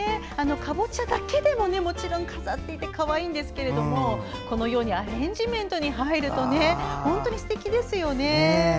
カボチャだけでももちろん飾っていてかわいいんですけどアレンジメントに入るととてもすてきですよね。